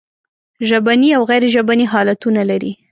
ژبني او غیر ژبني حالتونه لري.